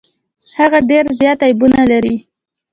هغه ډیر زيات عيبونه لري.